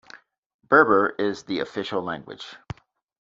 Berber is the official language.